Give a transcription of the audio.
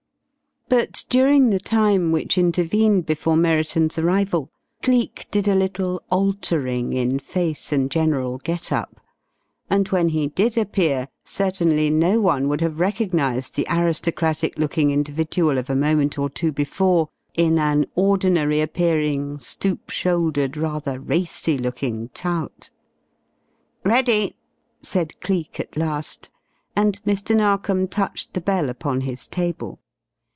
But during the time which intervened before Merriton's arrival, Cleek did a little "altering" in face and general get up, and when he did appear certainly no one would have recognized the aristocratic looking individual of a moment or two before, in an ordinary appearing, stoop shouldered, rather racy looking tout. "Ready," said Cleek at last, and Mr. Narkom touched the bell upon his table.